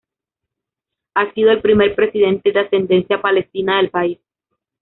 Ha sido el primer presidente de ascendencia palestina del país.